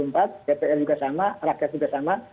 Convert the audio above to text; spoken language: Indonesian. dpr juga sama rakyat juga sama